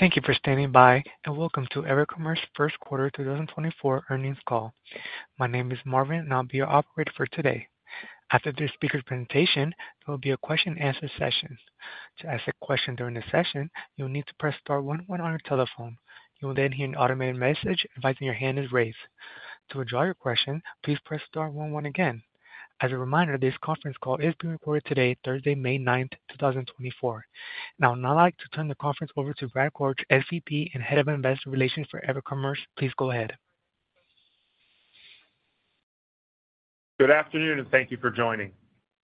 Thank you for standing by, and welcome to EverCommerce Q1 2024 earnings call. My name is Marvin, and I'll be your operator for today. After this speaker's presentation, there will be a question-and-answer session. To ask a question during the session, you'll need to press star one one on your telephone. You will then hear an automated message advising your hand is raised. To withdraw your question, please press star one one again. As a reminder, this conference call is being recorded today, Thursday, May 9, 2024. Now, I'd now like to turn the conference over to Brad Korch, SVP and Head of Investor Relations for EverCommerce. Please go ahead. Good afternoon, and thank you for joining.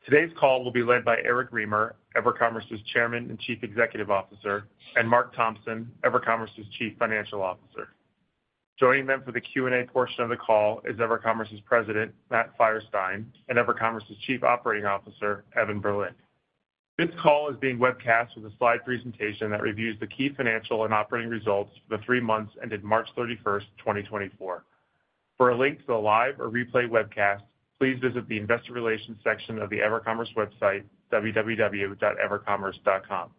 Today's call will be led by Eric Remer, EverCommerce's Chairman and Chief Executive Officer, and Marc Thompson, EverCommerce's Chief Financial Officer. Joining them for the Q&A portion of the call is EverCommerce's President, Matt Feierstein, and EverCommerce's Chief Operating Officer, Evan Berlin. This call is being webcast with a slide presentation that reviews the key financial and operating results for the three months ended March 31, 2024. For a link to the live or replay webcast, please visit the Investor Relations section of the EverCommerce website, www.evercommerce.com.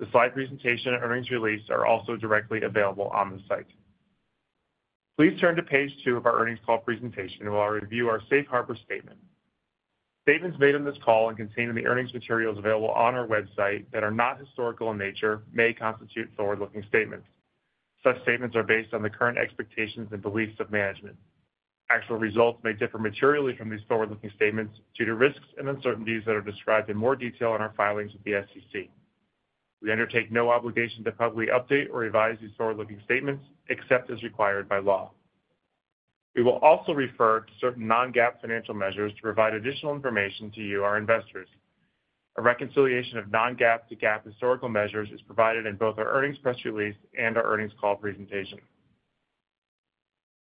The slide presentation and earnings release are also directly available on the site. Please turn to page 2 of our earnings call presentation, and we'll review our Safe Harbor Statement. Statements made on this call and containing the earnings materials available on our website that are not historical in nature may constitute forward-looking statements. Such statements are based on the current expectations and beliefs of management. Actual results may differ materially from these forward-looking statements due to risks and uncertainties that are described in more detail in our filings with the SEC. We undertake no obligation to publicly update or revise these forward-looking statements except as required by law. We will also refer to certain non-GAAP financial measures to provide additional information to you, our investors. A reconciliation of non-GAAP to GAAP historical measures is provided in both our earnings press release and our earnings call presentation.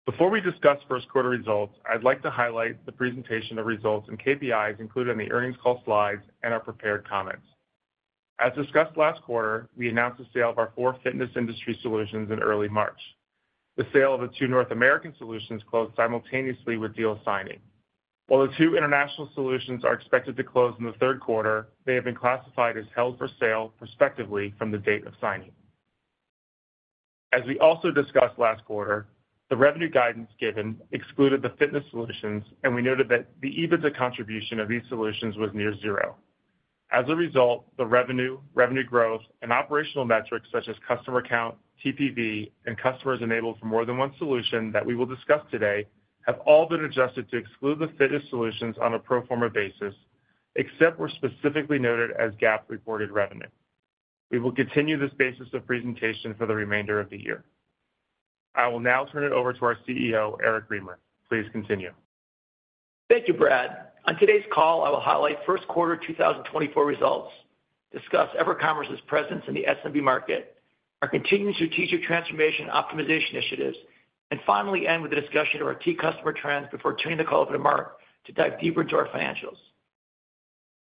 Before we discuss Q1 results, I'd like to highlight the presentation of results and KPIs included in the earnings call slides and our prepared comments. As discussed last quarter, we announced the sale of our four fitness industry solutions in early March. The sale of the two North American solutions closed simultaneously with deal signing. While the two international solutions are expected to close in the Q3, they have been classified as held for sale prospectively from the date of signing. As we also discussed last quarter, the revenue guidance given excluded the fitness solutions, and we noted that the EBITDA contribution of these solutions was near zero. As a result, the revenue, revenue growth, and operational metrics such as customer count, TPV, and customers enabled for more than one solution that we will discuss today have all been adjusted to exclude the fitness solutions on a pro forma basis, except where specifically noted as GAAP reported revenue. We will continue this basis of presentation for the remainder of the year. I will now turn it over to our CEO, Eric Remer. Please continue. Thank you, Brad. On today's call, I will highlight Q1 2024 results, discuss EverCommerce's presence in the SMB market, our continuing strategic transformation optimization initiatives, and finally end with a discussion of our key customer trends before turning the call over to Marc to dive deeper into our financials.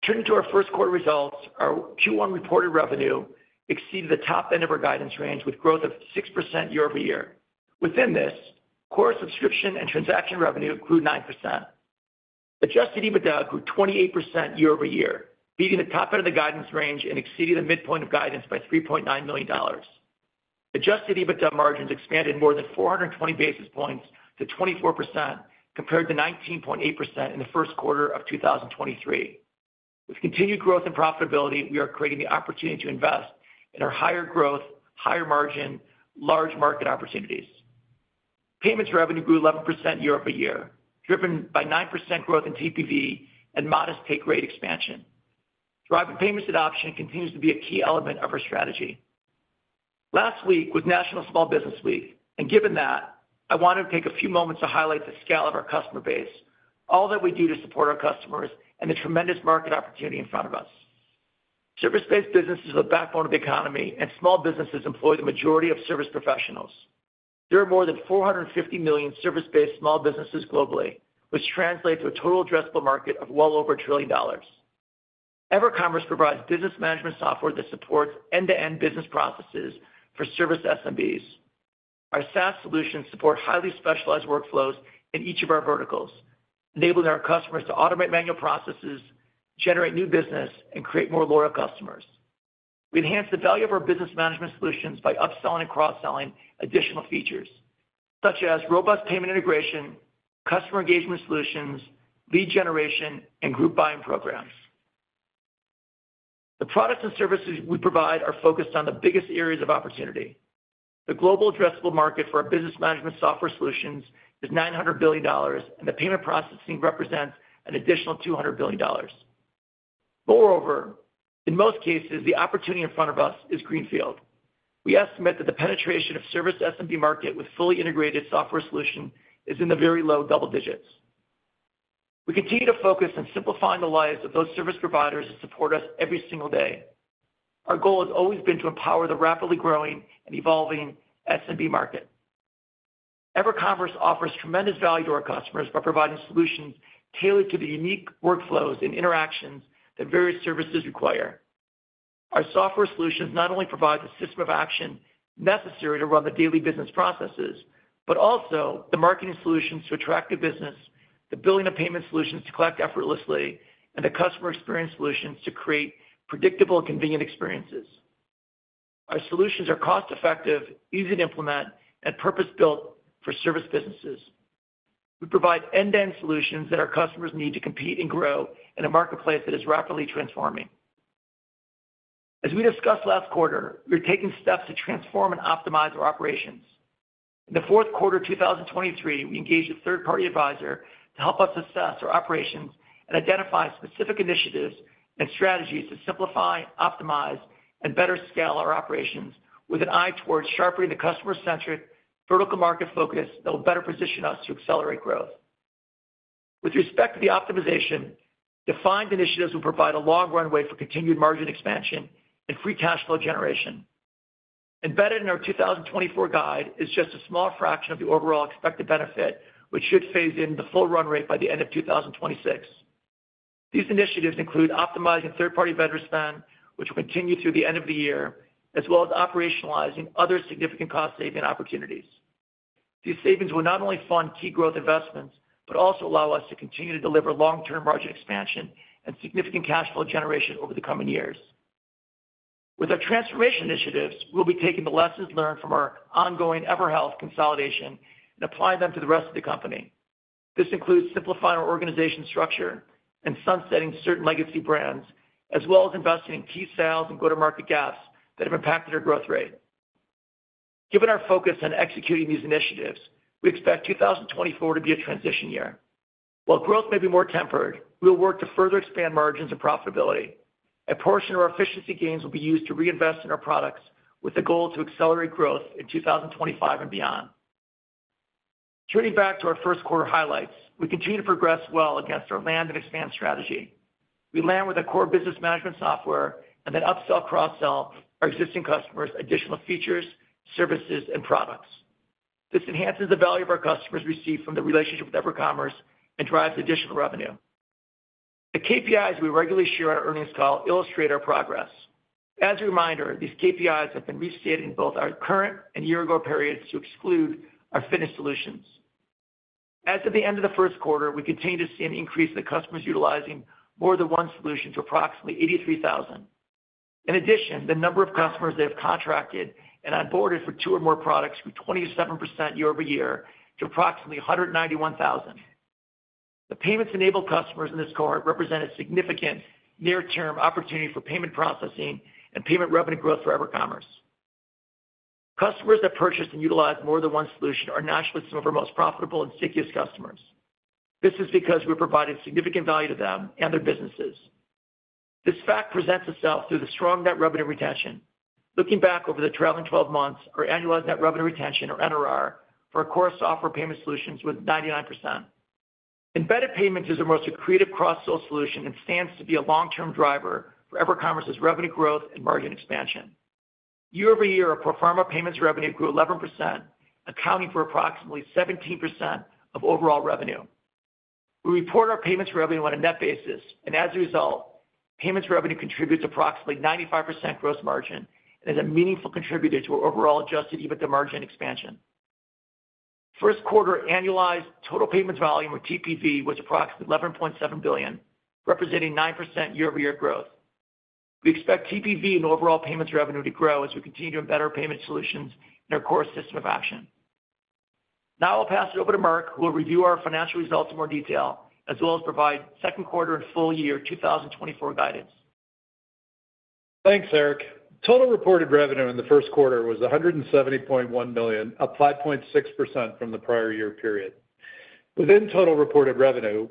Turning to our Q1 results, our Q1 reported revenue exceeded the top end of our guidance range with growth of 6% year-over-year. Within this, core subscription and transaction revenue grew 9%. Adjusted EBITDA grew 28% year-over-year, beating the top end of the guidance range and exceeding the midpoint of guidance by $3.9 million. Adjusted EBITDA margins expanded more than 420 basis points to 24% compared to 19.8% in the Q1 of 2023. With continued growth and profitability, we are creating the opportunity to invest in our higher growth, higher margin, large market opportunities. Payments revenue grew 11% year-over-year, driven by 9% growth in TPV and modest take rate expansion. Driving payments adoption continues to be a key element of our strategy. Last week was National Small Business Week, and given that, I wanted to take a few moments to highlight the scale of our customer base, all that we do to support our customers, and the tremendous market opportunity in front of us. Service-based businesses are the backbone of the economy, and small businesses employ the majority of service professionals. There are more than 450 million service-based small businesses globally, which translates to a total addressable market of well over $1 trillion. EverCommerce provides business management software that supports end-to-end business processes for service SMBs. Our SaaS solutions support highly specialized workflows in each of our verticals, enabling our customers to automate manual processes, generate new business, and create more loyal customers. We enhance the value of our business management solutions by upselling and cross-selling additional features, such as robust payment integration, customer engagement solutions, lead generation, and group buying programs. The products and services we provide are focused on the biggest areas of opportunity. The global addressable market for our business management software solutions is $900 billion, and the payment processing represents an additional $200 billion. Moreover, in most cases, the opportunity in front of us is greenfield. We estimate that the penetration of service SMB market with fully integrated software solution is in the very low double digits. We continue to focus on simplifying the lives of those service providers that support us every single day. Our goal has always been to empower the rapidly growing and evolving SMB market. EverCommerce offers tremendous value to our customers by providing solutions tailored to the unique workflows and interactions that various services require. Our software solutions not only provide the system of action necessary to run the daily business processes, but also the marketing solutions to attract new business, the billing and payment solutions to collect effortlessly, and the customer experience solutions to create predictable and convenient experiences. Our solutions are cost-effective, easy to implement, and purpose-built for service businesses. We provide end-to-end solutions that our customers need to compete and grow in a marketplace that is rapidly transforming. As we discussed last quarter, we are taking steps to transform and optimize our operations. In the Q4 2023, we engaged a third-party advisor to help us assess our operations and identify specific initiatives and strategies to simplify, optimize, and better scale our operations with an eye towards sharpening the customer-centric, vertical market focus that will better position us to accelerate growth. With respect to the optimization, defined initiatives will provide a long runway for continued margin expansion and free cash flow generation. Embedded in our 2024 guide is just a small fraction of the overall expected benefit, which should phase in the full run rate by the end of 2026. These initiatives include optimizing third-party vendor spend, which will continue through the end of the year, as well as operationalizing other significant cost-saving opportunities. These savings will not only fund key growth investments but also allow us to continue to deliver long-term margin expansion and significant cash flow generation over the coming years. With our transformation initiatives, we'll be taking the lessons learned from our ongoing EverHealth consolidation and applying them to the rest of the company. This includes simplifying our organization structure and sunsetting certain legacy brands, as well as investing in key sales and go-to-market gaps that have impacted our growth rate. Given our focus on executing these initiatives, we expect 2024 to be a transition year. While growth may be more tempered, we'll work to further expand margins and profitability. A portion of our efficiency gains will be used to reinvest in our products with the goal to accelerate growth in 2025 and beyond. Turning back to our Q1 highlights, we continue to progress well against our land and expand strategy. We land with our core business management software and then upsell, cross-sell our existing customers additional features, services, and products. This enhances the value of our customers received from the relationship with EverCommerce and drives additional revenue. The KPIs we regularly share in our earnings call illustrate our progress. As a reminder, these KPIs have been restated in both our current and year-ago periods to exclude our fitness solutions. As of the end of the Q1, we continue to see an increase in the customers utilizing more than one solution to approximately 83,000. In addition, the number of customers they have contracted and onboarded for two or more products grew 27% year-over-year to approximately 191,000. The payments-enabled customers in this cohort represent a significant near-term opportunity for payment processing and payment revenue growth for EverCommerce. Customers that purchase and utilize more than one solution are naturally some of our most profitable and stickiest customers. This is because we're providing significant value to them and their businesses. This fact presents itself through the strong net revenue retention. Looking back over the trailing 12 months, our annualized net revenue retention, or NRR, for our core software payment solutions was 99%. Embedded payments is our most creative cross-sell solution and stands to be a long-term driver for EverCommerce's revenue growth and margin expansion. Year-over-year, our pro forma payments revenue grew 11%, accounting for approximately 17% of overall revenue. We report our payments revenue on a net basis, and as a result, payments revenue contributes approximately 95% gross margin and is a meaningful contributor to our overall adjusted EBITDA margin expansion. Q1 annualized total payments volume, or TPV, was approximately $11.7 billion, representing 9% year-over-year growth. We expect TPV and overall payments revenue to grow as we continue to embed our payment solutions in our core system of record. Now I'll pass it over to Marc, who will review our financial results in more detail as well as provide Q2 and full year 2024 guidance. Thanks, Eric. Total reported revenue in the Q1 was $170.1 million, up 5.6% from the prior year period. Within total reported revenue,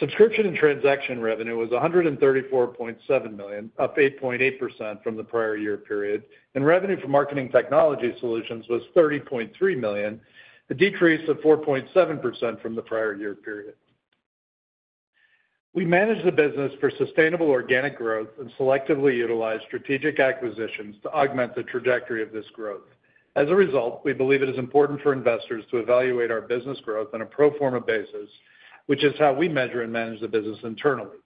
subscription and transaction revenue was $134.7 million, up 8.8% from the prior year period, and revenue for marketing technology solutions was $30.3 million, a decrease of 4.7% from the prior year period. We manage the business for sustainable organic growth and selectively utilize strategic acquisitions to augment the trajectory of this growth. As a result, we believe it is important for investors to evaluate our business growth on a pro forma basis, which is how we measure and manage the business internally.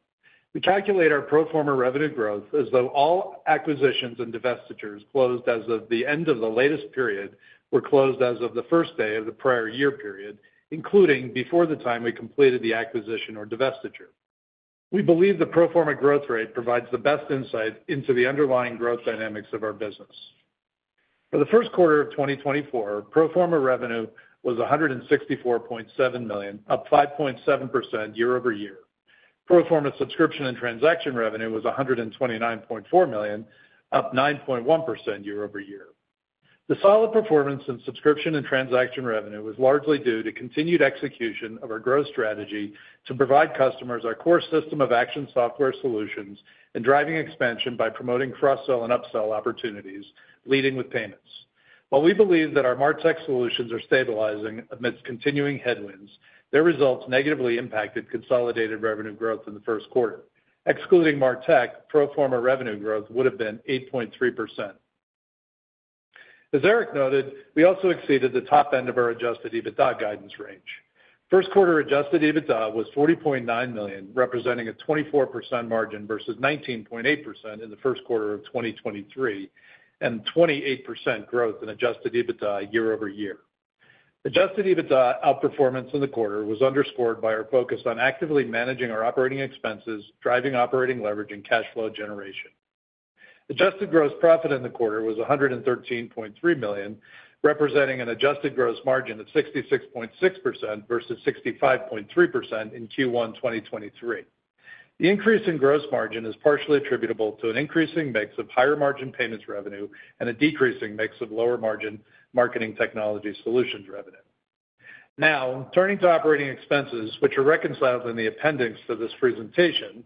We calculate our pro forma revenue growth as though all acquisitions and divestitures closed as of the end of the latest period were closed as of the first day of the prior year period, including before the time we completed the acquisition or divestiture. We believe the pro forma growth rate provides the best insight into the underlying growth dynamics of our business. For the Q1 of 2024, pro forma revenue was $164.7 million, up 5.7% year-over-year. Pro forma subscription and transaction revenue was $129.4 million, up 9.1% year-over-year. The solid performance in subscription and transaction revenue was largely due to continued execution of our growth strategy to provide customers our core system of action software solutions and driving expansion by promoting cross-sell and upsell opportunities, leading with payments. While we believe that our MarTech solutions are stabilizing amidst continuing headwinds, their results negatively impacted consolidated revenue growth in the Q1. Excluding MarTech, pro forma revenue growth would have been 8.3%. As Eric noted, we also exceeded the top end of our Adjusted EBITDA guidance range. Q1 Adjusted EBITDA was $40.9 million, representing a 24% margin versus 19.8% in the Q1 of 2023, and 28% growth in Adjusted EBITDA year-over-year. Adjusted EBITDA outperformance in the quarter was underscored by our focus on actively managing our operating expenses, driving operating leverage, and cash flow generation. Adjusted gross profit in the quarter was $113.3 million, representing an Adjusted gross margin of 66.6% versus 65.3% in Q1 2023. The increase in gross margin is partially attributable to an increasing mix of higher margin payments revenue and a decreasing mix of lower margin marketing technology solutions revenue. Now, turning to operating expenses, which are reconciled in the appendix to this presentation,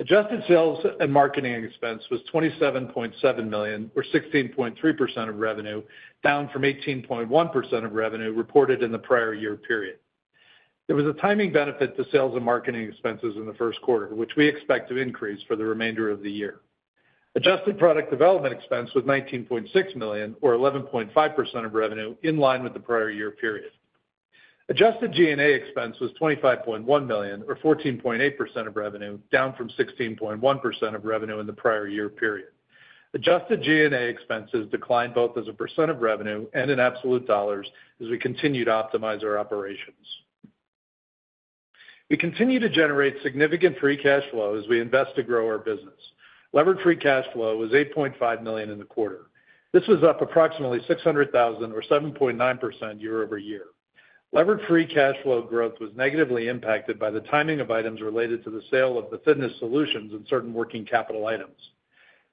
Adjusted sales and marketing expense was $27.7 million, or 16.3% of revenue, down from 18.1% of revenue reported in the prior year period. There was a timing benefit to sales and marketing expenses in the Q1, which we expect to increase for the remainder of the year. Adjusted product development expense was $19.6 million, or 11.5% of revenue, in line with the prior year period. Adjusted G&A expense was $25.1 million, or 14.8% of revenue, down from 16.1% of revenue in the prior year period. Adjusted G&A expenses declined both as a percent of revenue and in absolute dollars as we continued to optimize our operations. We continue to generate significant free cash flow as we invest to grow our business. Leveraged free cash flow was $8.5 million in the quarter. This was up approximately $600,000, or 7.9% year-over-year. Leveraged free cash flow growth was negatively impacted by the timing of items related to the sale of the fitness solutions and certain working capital items.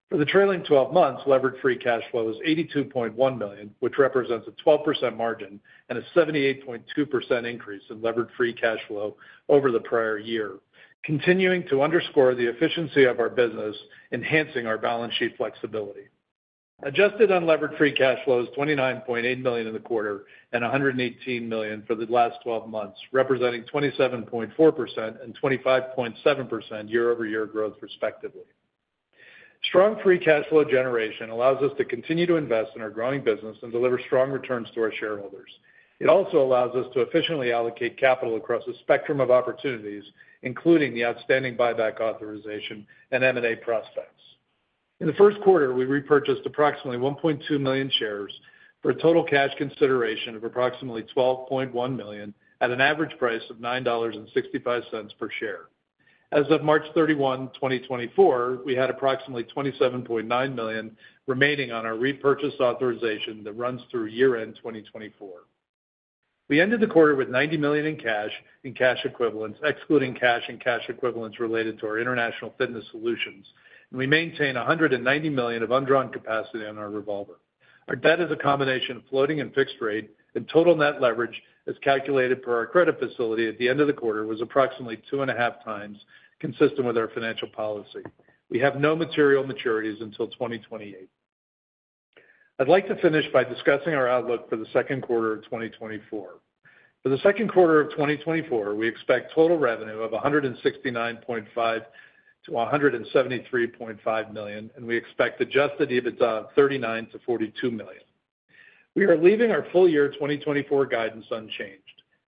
For the trailing 12 months, Leveraged Free Cash Flow was $82.1 million, which represents a 12% margin and a 78.2% increase in Leveraged Free Cash Flow over the prior year, continuing to underscore the efficiency of our business, enhancing our balance sheet flexibility. Adjusted Unleveraged Free Cash Flow was $29.8 million in the quarter and $118 million for the last 12 months, representing 27.4% and 25.7% year-over-year growth, respectively. Strong free cash flow generation allows us to continue to invest in our growing business and deliver strong returns to our shareholders. It also allows us to efficiently allocate capital across a spectrum of opportunities, including the outstanding buyback authorization and M&A prospects. In the Q1, we repurchased approximately 1.2 million shares for a total cash consideration of approximately $12.1 million at an average price of $9.65 per share. As of March 31, 2024, we had approximately $27.9 million remaining on our repurchase authorization that runs through year-end 2024. We ended the quarter with $90 million in cash and cash equivalents, excluding cash and cash equivalents related to our international fitness solutions, and we maintain $190 million of undrawn capacity on our revolver. Our debt is a combination of floating and fixed rate, and total net leverage, as calculated per our credit facility at the end of the quarter, was approximately 2.5 times consistent with our financial policy. We have no material maturities until 2028. I'd like to finish by discussing our outlook for the Q2 of 2024. For the Q2 of 2024, we expect total revenue of $169.5-$173.5 million, and we expect Adjusted EBITDA of $39-$42 million. We are leaving our full year 2024 guidance unchanged.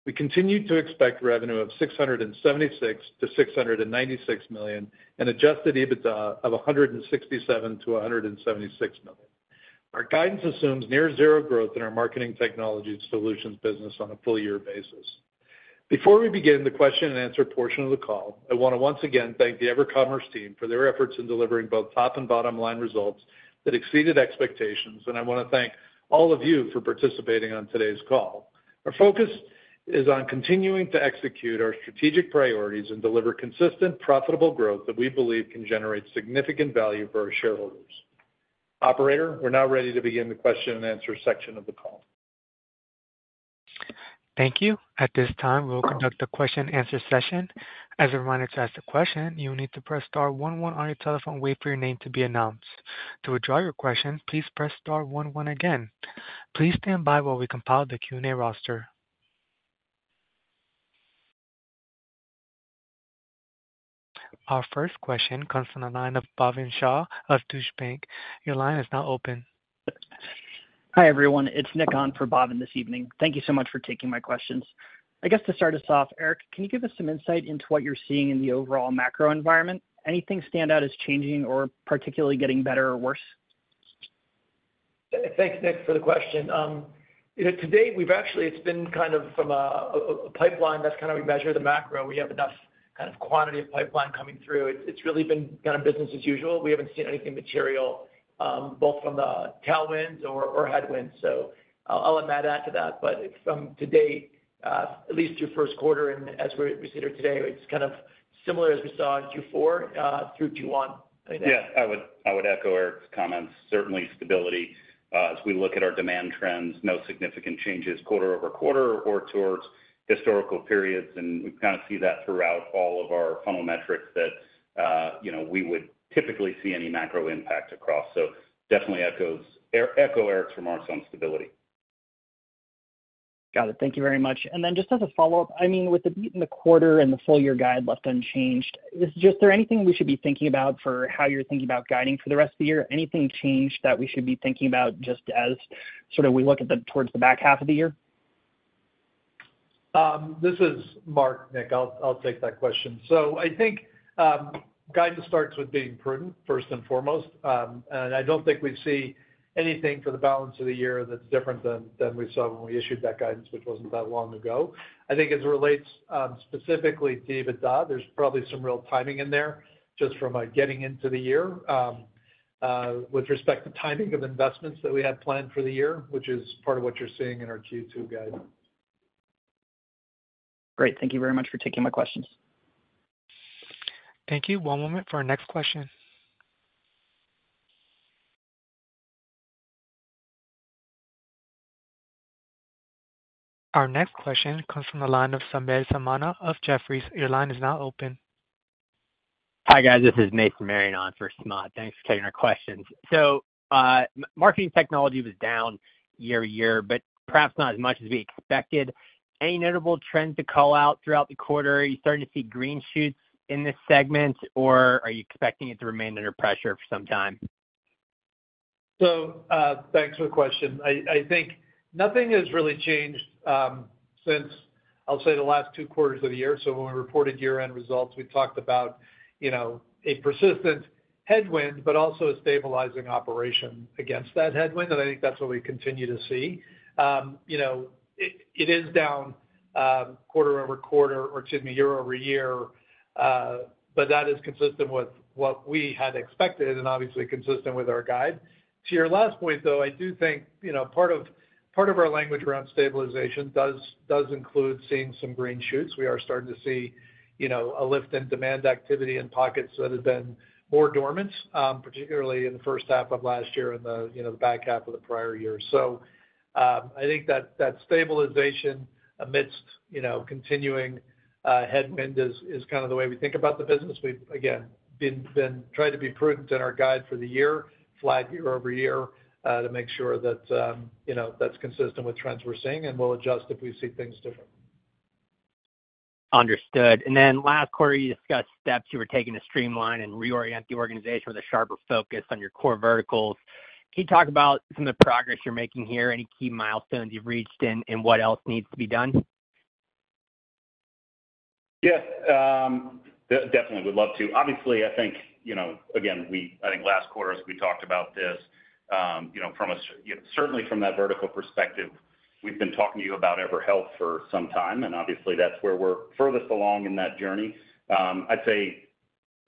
We continue to expect revenue of $676 million-$696 million and Adjusted EBITDA of $167 million-$176 million. Our guidance assumes near-zero growth in our marketing technology solutions business on a full year basis. Before we begin the question-and-answer portion of the call, I want to once again thank the EverCommerce team for their efforts in delivering both top and bottom line results that exceeded expectations, and I want to thank all of you for participating on today's call. Our focus is on continuing to execute our strategic priorities and deliver consistent, profitable growth that we believe can generate significant value for our shareholders. Operator, we're now ready to begin the question-and-answer section of the call. Thank you. At this time, we'll conduct the question-and-answer session. As a reminder to ask the question, you will need to press star one one on your telephone and wait for your name to be announced. To withdraw your question, please press star one one again. Please stand by while we compile the Q&A roster. Our first question comes from the line of Bhavin Shah of Deutsche Bank. Your line is now open. Hi everyone. It's Nick on for Bhavin this evening. Thank you so much for taking my questions. I guess to start us off, Eric, can you give us some insight into what you're seeing in the overall macro environment? Anything stand out as changing or particularly getting better or worse? Thanks, Nick, for the question. Today, it's been kind of from a pipeline that's kind of we measure the macro. We have enough kind of quantity of pipeline coming through. It's really been kind of business as usual. We haven't seen anything material, both from the tailwinds or headwinds. So I'll let Matt add to that. But from today, at least through Q1 and as we sit here today, it's kind of similar as we saw in Q4 through Q1. Yeah, I would echo Eric's comments. Certainly stability. As we look at our demand trends, no significant changes quarter-over-quarter or towards historical periods, and we kind of see that throughout all of our funnel metrics that we would typically see any macro impact across. So definitely echo Eric's remarks on stability. Got it. Thank you very much. Then just as a follow-up, I mean, with the beat in the quarter and the full year guide left unchanged, is there anything we should be thinking about for how you're thinking about guiding for the rest of the year? Anything change that we should be thinking about just as sort of we look towards the back half of the year? This is Marc, Nick. I'll take that question. So I think guidance starts with being prudent, first and foremost. I don't think we see anything for the balance of the year that's different than we saw when we issued that guidance, which wasn't that long ago. I think as it relates specifically to EBITDA, there's probably some real timing in there just from getting into the year with respect to timing of investments that we had planned for the year, which is part of what you're seeing in our Q2 guide. Great. Thank you very much for taking my questions. Thank you. One moment for our next question. Our next question comes from the line of Samad Samana of Jefferies. Your line is now open. Hi guys. This is Nate Martin on for Samad. Thanks for taking our questions. So marketing technology was down year-over-year, but perhaps not as much as we expected. Any notable trends to call out throughout the quarter? Are you starting to see green shoots in this segment, or are you expecting it to remain under pressure for some time? Thanks for the question. I think nothing has really changed since, I'll say, the last two quarters of the year. When we reported year-end results, we talked about a persistent headwind but also a stabilizing operation against that headwind, and I think that's what we continue to see. It is down quarter-over-quarter or, excuse me, year-over-year, but that is consistent with what we had expected and obviously consistent with our guide. To your last point, though, I do think part of our language around stabilization does include seeing some green shoots. We are starting to see a lift in demand activity in pockets that have been more dormant, particularly in the first half of last year and the back half of the prior year. I think that stabilization amidst continuing headwind is kind of the way we think about the business. We've again tried to be prudent in our guide for the year, flat year-over-year to make sure that that's consistent with trends we're seeing, and we'll adjust if we see things different. Understood. And then last quarter, you discussed steps you were taking to streamline and reorient the organization with a sharper focus on your core verticals. Can you talk about some of the progress you're making here, any key milestones you've reached, and what else needs to be done? Yes, definitely. We'd love to. Obviously, I think, again, I think last quarter as we talked about this, certainly from that vertical perspective, we've been talking to you about EverHealth for some time, and obviously, that's where we're furthest along in that journey. I'd say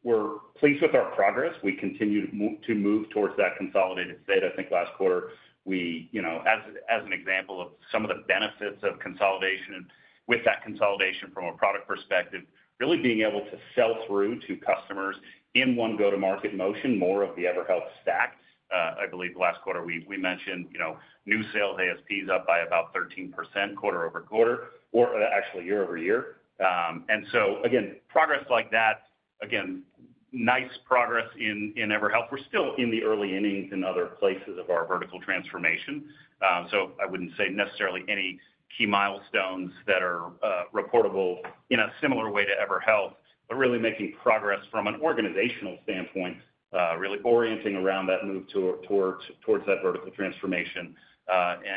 we're pleased with our progress. We continue to move towards that consolidated state. I think last quarter, as an example of some of the benefits of consolidation and with that consolidation from a product perspective, really being able to sell through to customers in one go-to-market motion, more of the EverHealth stack. I believe last quarter, we mentioned new sales ASPs up by about 13% quarter-over-quarter or actually year-over-year. And so, again, progress like that, again, nice progress in EverHealth. We're still in the early innings in other places of our vertical transformation. So I wouldn't say necessarily any key milestones that are reportable in a similar way to EverHealth, but really making progress from an organizational standpoint, really orienting around that move towards that vertical transformation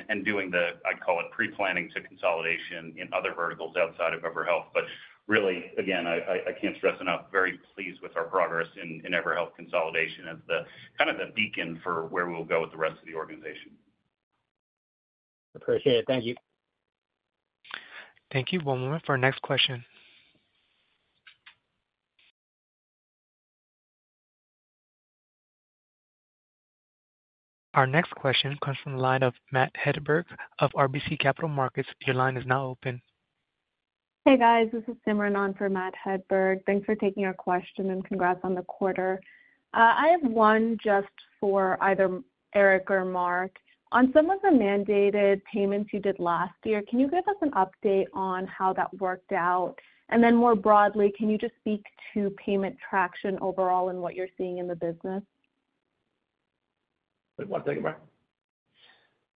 and doing the, I'd call it, pre-planning to consolidation in other verticals outside of EverHealth. But really, again, I can't stress enough, very pleased with our progress in EverHealth consolidation as kind of the beacon for where we'll go with the rest of the organization. Appreciate it. Thank you. Thank you. One moment for our next question. Our next question comes from the line of Matt Hedberg of RBC Capital Markets. Your line is now open. Hey guys. This is Simran on for Matt Hedberg. Thanks for taking our question and congrats on the quarter. I have one just for either Eric or Marc. On some of the mandated payments you did last year, can you give us an update on how that worked out? And then more broadly, can you just speak to payment traction overall and what you're seeing in the business? Wait, why don't I take it back?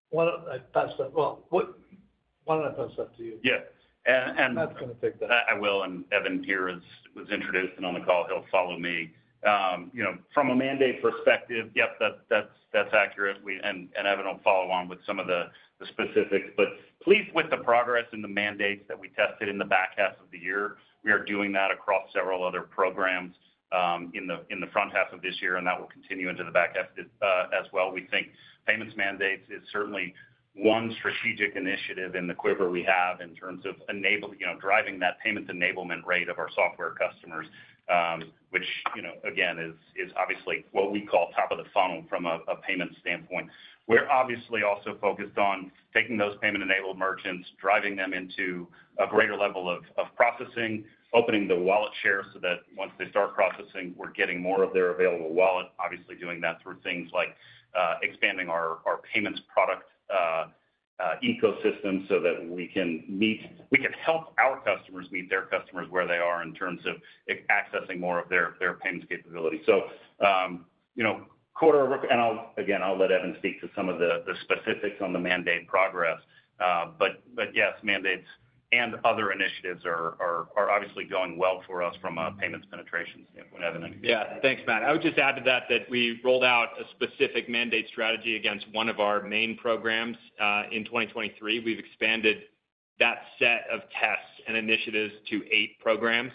Well, why don't I pass that to you? Yeah. Matt's going to take that. I will. Evan Berlin was introduced and on the call. He'll follow me. From a mandate perspective, yep, that's accurate. Evan will follow on with some of the specifics. But pleased with the progress in the mandates that we tested in the back half of the year. We are doing that across several other programs in the front half of this year, and that will continue into the back half as well. We think payments mandates is certainly one strategic initiative in the quiver we have in terms of driving that payment enablement rate of our software customers, which, again, is obviously what we call top of the funnel from a payments standpoint. We're obviously also focused on taking those payment-enabled merchants, driving them into a greater level of processing, opening the wallet share so that once they start processing, we're getting more of their available wallet, obviously doing that through things like expanding our payments product ecosystem so that we can help our customers meet their customers where they are in terms of accessing more of their payments capability. So quarter-over-quarter, and again, I'll let Evan speak to some of the specifics on the mandate progress. But yes, mandates and other initiatives are obviously going well for us from a payments penetration standpoint, Evan. Yeah. Thanks, Matt. I would just add to that that we rolled out a specific mandate strategy against one of our main programs in 2023. We've expanded that set of tests and initiatives to eight programs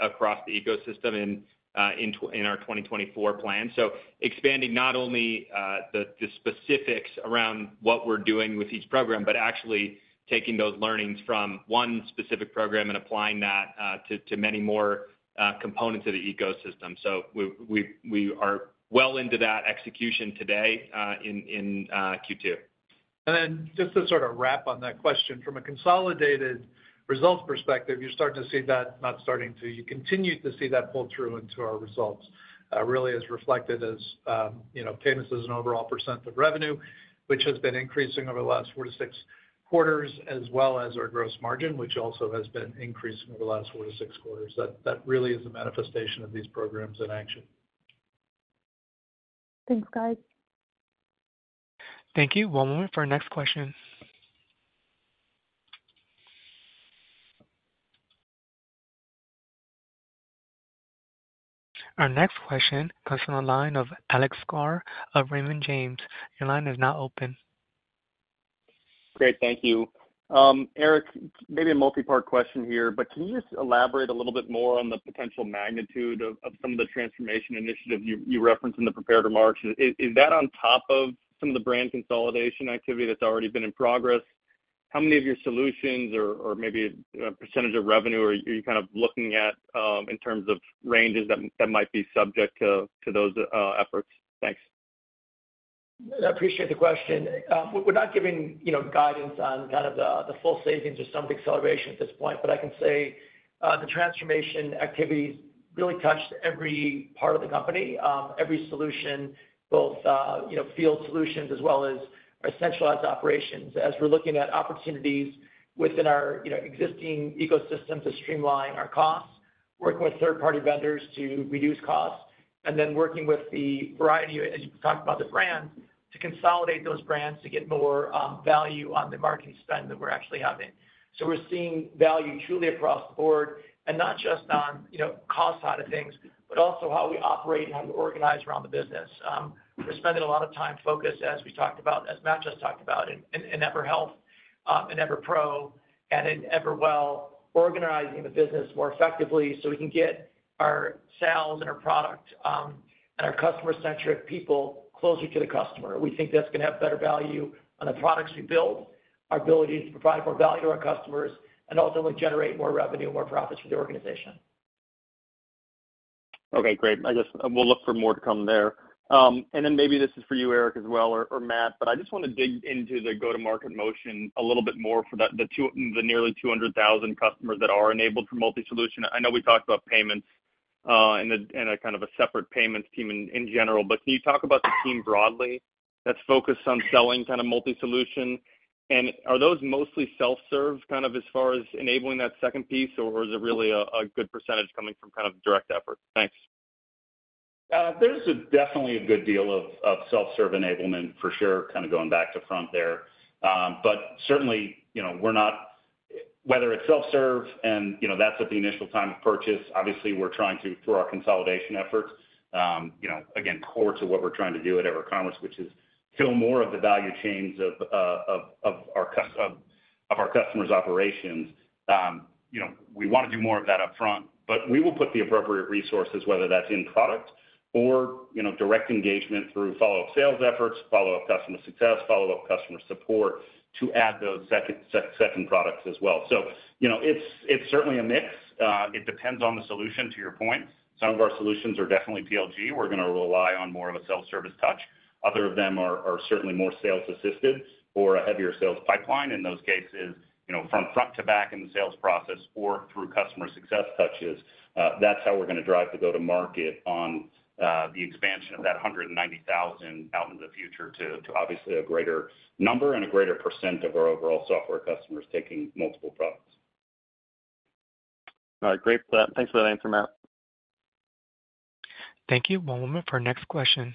across the ecosystem in our 2024 plan. So expanding not only the specifics around what we're doing with each program, but actually taking those learnings from one specific program and applying that to many more components of the ecosystem. So we are well into that execution today in Q2. And then just to sort of wrap on that question, from a consolidated results perspective, you're starting to see that not starting to, you continue to see that pull through into our results, really as reflected as payments as an overall % of revenue, which has been increasing over the last 4-6 quarters, as well as our gross margin, which also has been increasing over the last 4-6 quarters. That really is a manifestation of these programs in action. Thanks, guys. Thank you. One moment for our next question. Our next question comes from the line of Alex Sklar of Raymond James. Your line is now open. Great. Thank you. Eric, maybe a multi-part question here, but can you just elaborate a little bit more on the potential magnitude of some of the transformation initiatives you referenced in the prepared remarks? Is that on top of some of the brand consolidation activity that's already been in progress? How many of your solutions or maybe a percentage of revenue are you kind of looking at in terms of ranges that might be subject to those efforts? Thanks. I appreciate the question. We're not giving guidance on kind of the full savings or sum of acceleration at this point, but I can say the transformation activities really touched every part of the company, every solution, both field solutions as well as our centralized operations, as we're looking at opportunities within our existing ecosystem to streamline our costs, working with third-party vendors to reduce costs, and then working with the variety, as you talked about, the brands to consolidate those brands to get more value on the marketing spend that we're actually having. So we're seeing value truly across the board and not just on the cost side of things, but also how we operate and how we organize around the business. We're spending a lot of time focused, as we talked about, as Matt just talked about, in EverHealth and EverPro and in EverWell, organizing the business more effectively so we can get our sales and our product and our customer-centric people closer to the customer. We think that's going to have better value on the products we build, our ability to provide more value to our customers, and ultimately generate more revenue and more profits for the organization. Okay. Great. I guess we'll look for more to come there. And then maybe this is for you, Eric, as well, or Matt, but I just want to dig into the go-to-market motion a little bit more for the nearly 200,000 customers that are enabled for multi-solution. I know we talked about payments and kind of a separate payments team in general, but can you talk about the team broadly that's focused on selling kind of multi-solution? And are those mostly self-serve kind of as far as enabling that second piece, or is it really a good percentage coming from kind of direct effort? Thanks. There's definitely a good deal of self-serve enablement for sure, kind of going back to front there. But certainly, we're not whether it's self-serve and that's at the initial time of purchase, obviously, we're trying to through our consolidation efforts, again, core to what we're trying to do at EverCommerce, which is fill more of the value chains of our customers' operations. We want to do more of that upfront, but we will put the appropriate resources, whether that's in product or direct engagement through follow-up sales efforts, follow-up customer success, follow-up customer support, to add those second products as well. So it's certainly a mix. It depends on the solution, to your point. Some of our solutions are definitely PLG. We're going to rely on more of a self-service touch. Other of them are certainly more sales-assisted or a heavier sales pipeline in those cases, from front to back in the sales process or through customer success touches. That's how we're going to drive the go-to-market on the expansion of that 190,000 out into the future to obviously a greater number and a greater percent of our overall software customers taking multiple products. All right. Great. Thanks for that answer, Matt. Thank you. One moment for our next question.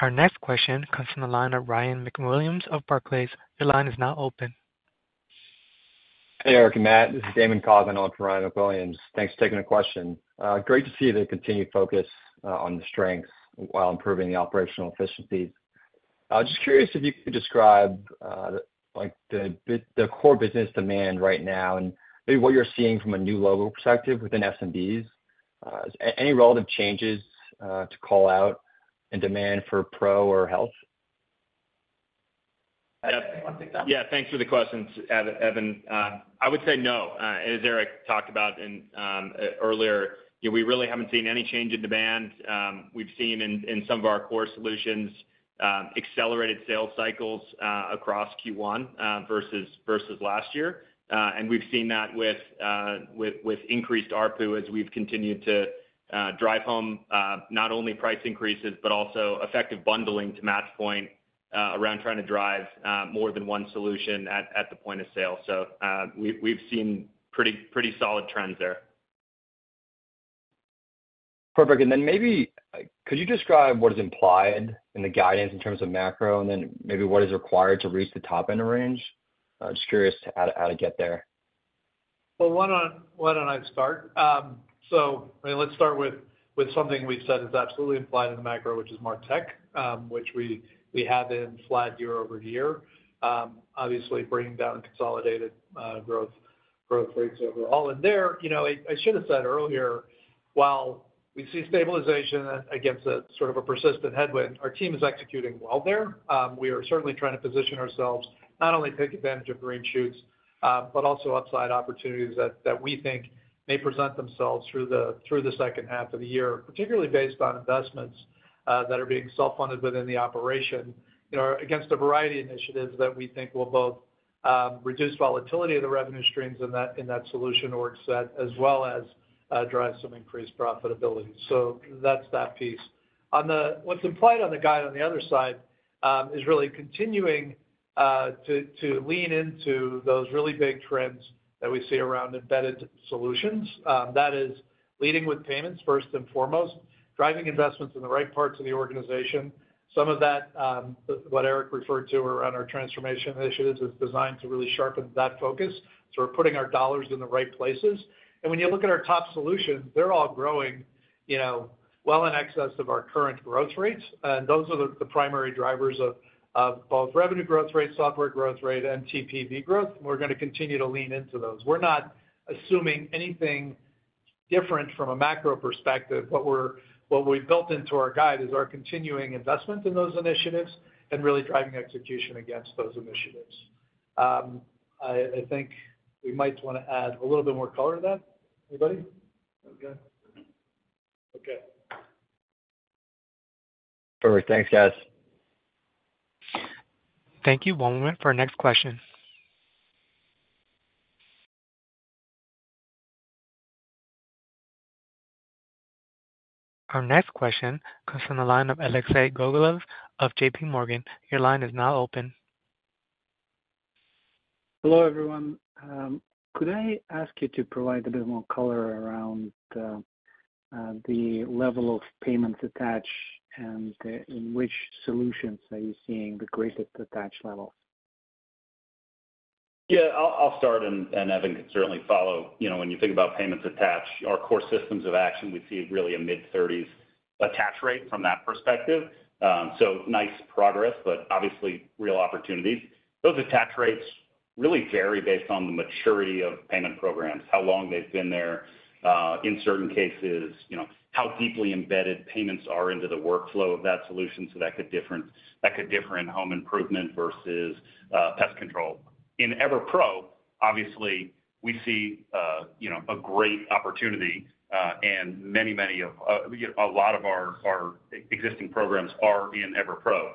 Our next question comes from the line of Ryan McWilliams of Barclays. Your line is now open. Hey, Eric. Matt, this is Damon Coghlan on for Ryan McWilliams. Thanks for taking the question. Great to see the continued focus on the strengths while improving the operational efficiencies. I was just curious if you could describe the core business demand right now and maybe what you're seeing from a new logo perspective within SMBs. Any relative changes to call out in demand for Pro or Health? Yeah. Thanks for the question, Evan. I would say no. As Eric talked about earlier, we really haven't seen any change in demand. We've seen in some of our core solutions accelerated sales cycles across Q1 versus last year. We've seen that with increased ARPU as we've continued to drive home not only price increases but also effective bundling to match point around trying to drive more than one solution at the point of sale. So we've seen pretty solid trends there. Perfect. And then maybe could you describe what is implied in the guidance in terms of macro and then maybe what is required to reach the top-end range? Just curious how to get there. Well, why don't I start? So let's start with something we've said is absolutely implied in the macro, which is MarTech, which we have in flat year-over-year, obviously bringing down consolidated growth rates overall. And there, I should have said earlier, while we see stabilization against sort of a persistent headwind, our team is executing well there. We are certainly trying to position ourselves not only take advantage of green shoots but also upside opportunities that we think may present themselves through the second half of the year, particularly based on investments that are being self-funded within the operation against a variety of initiatives that we think will both reduce volatility of the revenue streams in that solution org set as well as drive some increased profitability. So that's that piece. What's implied on the guide on the other side is really continuing to lean into those really big trends that we see around embedded solutions. That is leading with payments first and foremost, driving investments in the right parts of the organization. Some of that, what Eric referred to around our transformation initiatives, is designed to really sharpen that focus. So we're putting our dollars in the right places. And when you look at our top solutions, they're all growing well in excess of our current growth rates. And those are the primary drivers of both revenue growth rate, software growth rate, and TPV growth. And we're going to continue to lean into those. We're not assuming anything different from a macro perspective. What we've built into our guide is our continuing investment in those initiatives and really driving execution against those initiatives. I think we might want to add a little bit more color to that. Anybody? Okay. Perfect. Thanks, guys. Thank you. One moment for our next question. Our next question comes from the line of Alexei Gogolev of JPMorgan. Your line is now open. Hello, everyone. Could I ask you to provide a bit more color around the level of payments attached and in which solutions are you seeing the greatest attached levels? Yeah. I'll start, and Evan could certainly follow. When you think about payments attached, our core systems of action, we see really a mid-30s attach rate from that perspective. So nice progress, but obviously real opportunities. Those attach rates really vary based on the maturity of payment programs, how long they've been there in certain cases, how deeply embedded payments are into the workflow of that solution. So that could differ in home improvement versus pest control. In EverPro, obviously, we see a great opportunity, and many, many of a lot of our existing programs are in EverPro.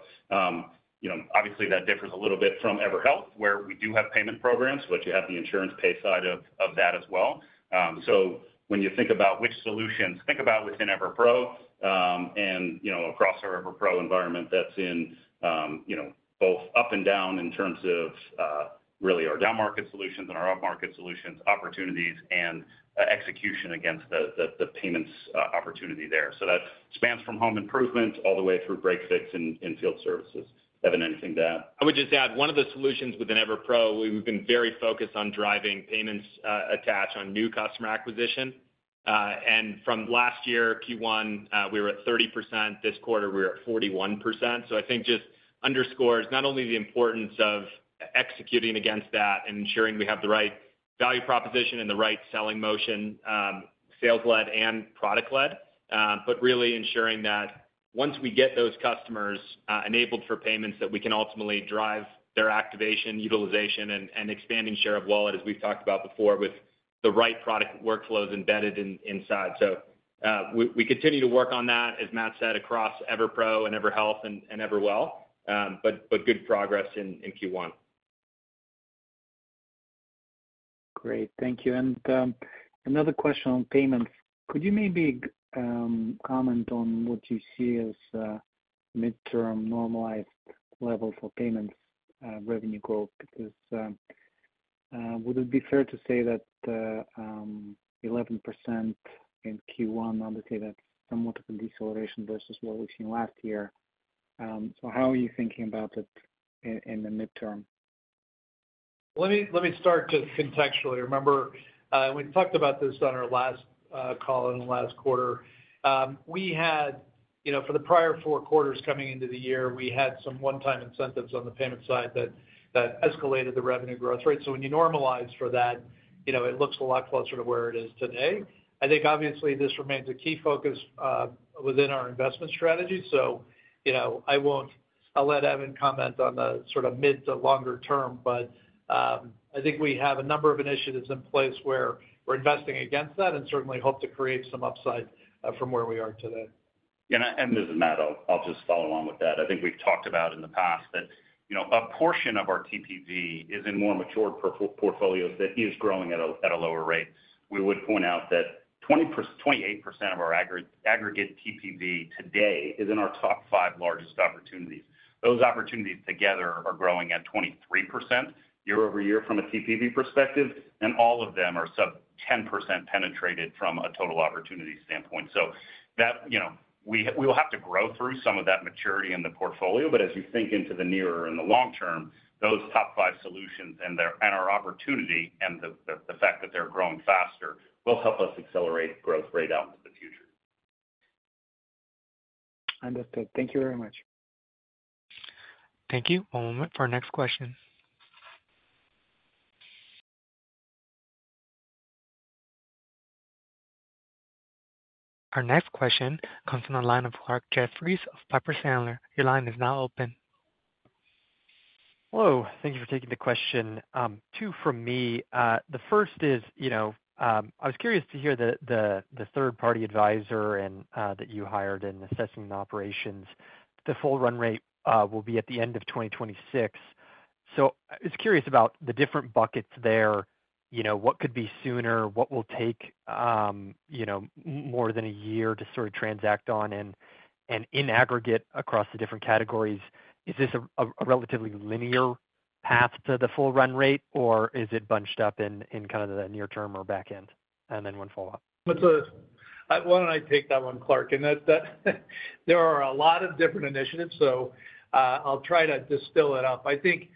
Obviously, that differs a little bit from EverHealth, where we do have payment programs, but you have the insurance pay side of that as well. So when you think about which solutions, think about within EverPro and across our EverPro environment that's in both up and down in terms of really our down-market solutions and our up-market solutions, opportunities, and execution against the payments opportunity there. So that spans from home improvement all the way through break-fix and field services. Evan, anything to add? I would just add one of the solutions within EverPro, we've been very focused on driving payments attach on new customer acquisition. From last year, Q1, we were at 30%. This quarter, we were at 41%. So I think just underscores not only the importance of executing against that and ensuring we have the right value proposition and the right selling motion, sales-led and product-led, but really ensuring that once we get those customers enabled for payments that we can ultimately drive their activation, utilization, and expanding share of wallet, as we've talked about before, with the right product workflows embedded inside. So we continue to work on that, as Matt said, across EverPro and EverHealth and EverWell, but good progress in Q1. Great. Thank you. Another question on payments. Could you maybe comment on what you see as midterm normalized level for payments revenue growth? Would it be fair to say that 11% in Q1, obviously, that's somewhat of a deceleration versus what we've seen last year? So how are you thinking about it in the midterm? Let me start just contextually. Remember, we talked about this on our last call in the last quarter. For the prior four quarters coming into the year, we had some one-time incentives on the payment side that escalated the revenue growth rate. So when you normalize for that, it looks a lot closer to where it is today. I think, obviously, this remains a key focus within our investment strategy. So I'll let Evan comment on the sort of mid to longer term, but I think we have a number of initiatives in place where we're investing against that and certainly hope to create some upside from where we are today. This is Matt. I'll just follow along with that. I think we've talked about in the past that a portion of our TPV is in more matured portfolios that is growing at a lower rate. We would point out that 28% of our aggregate TPV today is in our top 5 largest opportunities. Those opportunities together are growing at 23% year-over-year from a TPV perspective, and all of them are sub-10% penetrated from a total opportunity standpoint. So we will have to grow through some of that maturity in the portfolio, but as you think into the nearer and the long term, those top 5 solutions and our opportunity and the fact that they're growing faster will help us accelerate growth rate out into the future. Understood. Thank you very much. Thank you. One moment for our next question. Our next question comes from the line of Clarke Jeffries of Piper Sandler. Your line is now open. Hello. Thank you for taking the question. Two from me. The first is, I was curious to hear the third-party advisor that you hired in assessing the operations. The full run rate will be at the end of 2026. So I was curious about the different buckets there. What could be sooner? What will take more than a year to sort of transact on and in aggregate across the different categories? Is this a relatively linear path to the full run rate, or is it bunched up in kind of the near-term or backend? And then one follow-up. Why don't I take that one, Clarke? There are a lot of different initiatives, so I'll try to distill it up. I think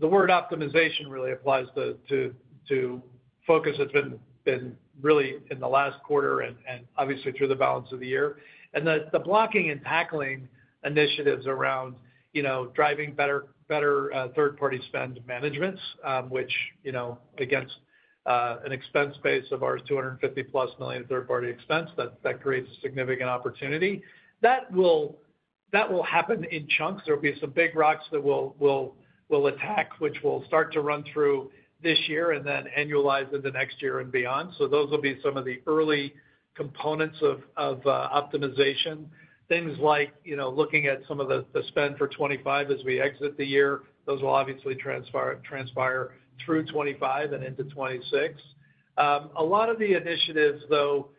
the word optimization really applies to focus that's been really in the last quarter and obviously through the balance of the year. The blocking and tackling initiatives around driving better third-party spend managements, which against an expense base of our $250+ million third-party expense, that creates a significant opportunity. That will happen in chunks. There will be some big rocks that we'll attack, which will start to run through this year and then annualize into next year and beyond. Those will be some of the early components of optimization. Things like looking at some of the spend for 2025 as we exit the year. Those will obviously transpire through 2025 and into 2026. A lot of the initiatives, though,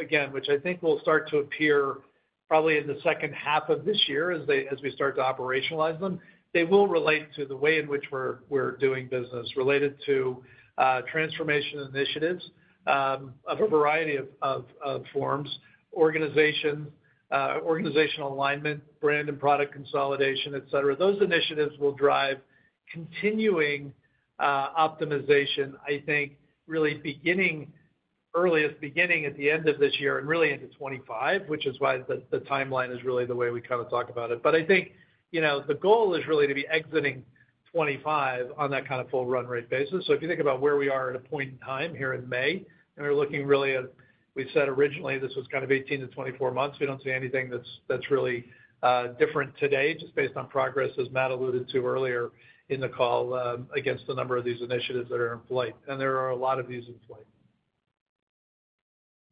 again, which I think will start to appear probably in the second half of this year as we start to operationalize them, they will relate to the way in which we're doing business, related to transformation initiatives of a variety of forms, organizational alignment, brand and product consolidation, etc. Those initiatives will drive continuing optimization, I think, really earliest beginning at the end of this year and really into 2025, which is why the timeline is really the way we kind of talk about it. But I think the goal is really to be exiting 2025 on that kind of full run rate basis. So if you think about where we are at a point in time here in May, and we're looking really at we said originally this was kind of 18-24 months. We don't see anything that's really different today, just based on progress, as Matt alluded to earlier in the call, against a number of these initiatives that are in flight. There are a lot of these in flight.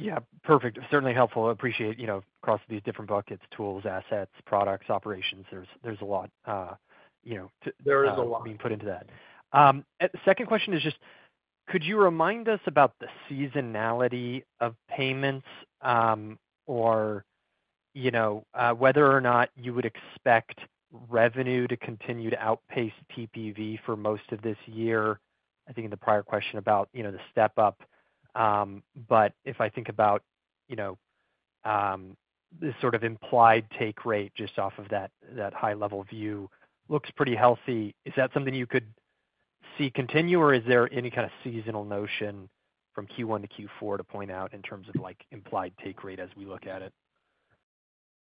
Yeah. Perfect. Certainly helpful. I appreciate across these different buckets, tools, assets, products, operations, there's a lot being put into that. Second question is just, could you remind us about the seasonality of payments or whether or not you would expect revenue to continue to outpace TPV for most of this year? I think in the prior question about the step-up. But if I think about this sort of implied take rate just off of that high-level view, looks pretty healthy. Is that something you could see continue, or is there any kind of seasonal notion from Q1 to Q4 to point out in terms of implied take rate as we look at it?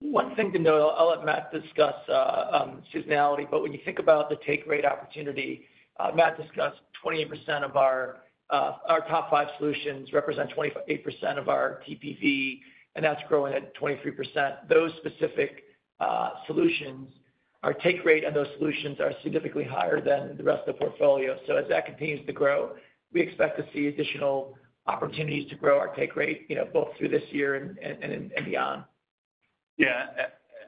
One thing to note, I'll let Matt discuss seasonality. But when you think about the take rate opportunity, Matt discussed 28% of our top five solutions represent 28% of our TPV, and that's growing at 23%. Those specific solutions, our take rate on those solutions are significantly higher than the rest of the portfolio. So as that continues to grow, we expect to see additional opportunities to grow our take rate both through this year and beyond. Yeah.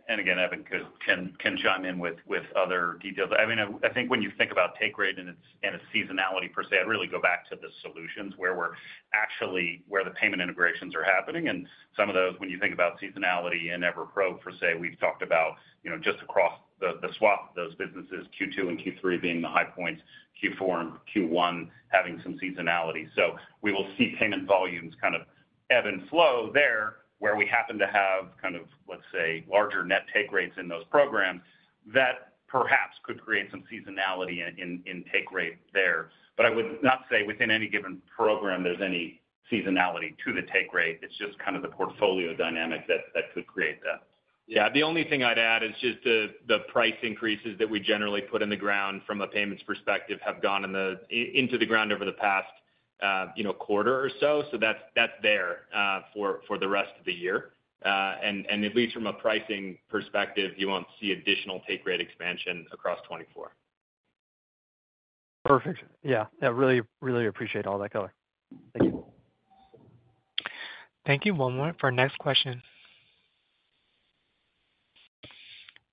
And again, Evan can chime in with other details? I mean, I think when you think about take rate and its seasonality per se, I'd really go back to the solutions where the payment integrations are happening. And some of those, when you think about seasonality in EverPro, for say, we've talked about just across the board, those businesses, Q2 and Q3 being the high points, Q4 and Q1 having some seasonality. So we will see payment volumes kind of ebb and flow there where we happen to have kind of, let's say, larger net take rates in those programs. That perhaps could create some seasonality in take rate there. But I would not say within any given program there's any seasonality to the take rate. It's just kind of the portfolio dynamic that could create that. Yeah. The only thing I'd add is just the price increases that we generally put in the ground from a payments perspective have gone into the ground over the past quarter or so. So that's there for the rest of the year. And at least from a pricing perspective, you won't see additional take rate expansion across 2024. Perfect. Yeah. Yeah. Really, really appreciate all that, Clarke. Thank you. Thank you. One moment for our next question.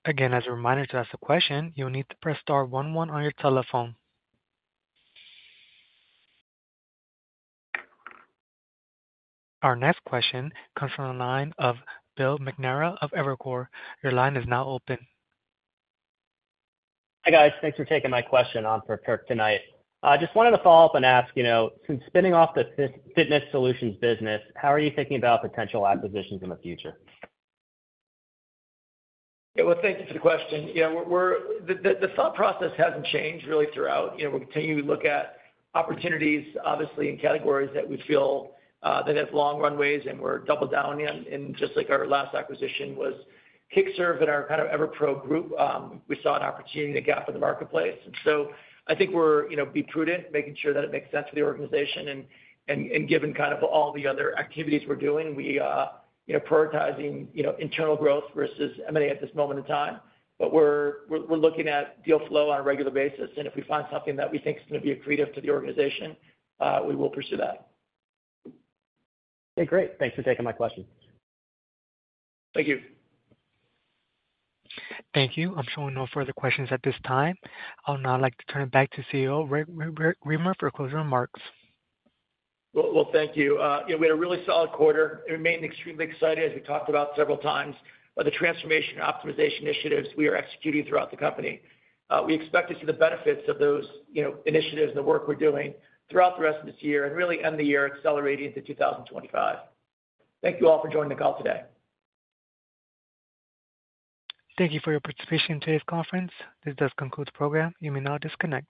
Again, as a reminder to ask the question, you'll need to press star one one on your telephone. Our next question comes from the line of Bill McNamara of Evercore. Your line is now open. Hi guys. Thanks for taking my question on for Kirk tonight. I just wanted to follow up and ask, since spinning off the fitness solutions business, how are you thinking about potential acquisitions in the future? Yeah. Well, thank you for the question. Yeah. The thought process hasn't changed really throughout. We continue to look at opportunities, obviously, in categories that we feel that have long runways, and we're double down in. And just like our last acquisition was Kickserv in our kind of EverPro group, we saw an opportunity in the gap in the marketplace. And so I think we're being prudent, making sure that it makes sense for the organization. And given kind of all the other activities we're doing, we're prioritizing internal growth versus M&A at this moment in time. But we're looking at deal flow on a regular basis. And if we find something that we think is going to be accretive to the organization, we will pursue that. Okay. Great. Thanks for taking my question. Thank you. Thank you. I'm showing no further questions at this time. I'll now like to turn it back to CEO Eric Remer for closing remarks. Well, thank you. We had a really solid quarter. It remained extremely exciting, as we talked about several times, about the transformation and optimization initiatives we are executing throughout the company. We expect to see the benefits of those initiatives and the work we're doing throughout the rest of this year and really end the year accelerating into 2025. Thank you all for joining the call today. Thank you for your participation in today's conference. This does conclude the program. You may now disconnect.